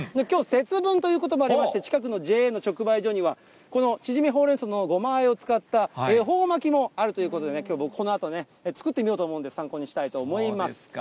きょう、節分ということもありまして、近くにＪＡの直売所には、このちぢみほうれん草のごまあえを使った恵方巻きもあるということで、僕きょう、このあと作ってみたいと思うんで、参考にしたいと思います。